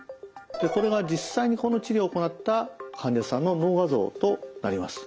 これが実際にこの治療を行った患者さんの脳画像となります。